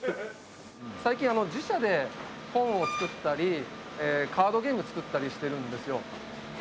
最近自社で本を作ったりカードゲーム作ったりしてるんですよ。